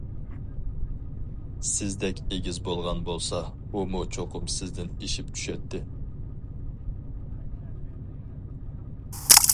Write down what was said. سىزدەك ئېگىز بولغان بولسا ئۇمۇ چوقۇم سىزدىن ئېشىپ چۈشەتتى.